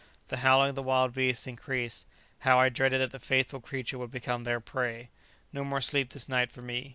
The howling of the wild beasts increased. How I dreaded that the faithful creature would become their prey! No more sleep this night for me.